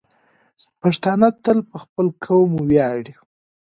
پښتانه تل په خپل قوم ویاړي.